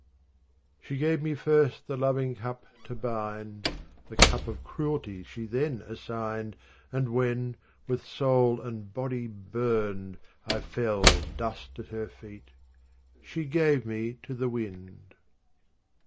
21 She gave me first the loving cup to bind ; The cup of cruelty she then assigned And when, with soul and body burned, I fell Dust at her feet â she gave me to the wind.